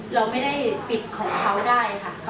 เราไม่ได้ปิดของเขาได้ค่ะ